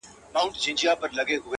زه د یویشتم قرن غضب ته فکر نه کوم.